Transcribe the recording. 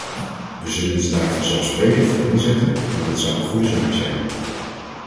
We zullen ons daar vanzelfsprekend voor inzetten want het zou een goede zaak zijn.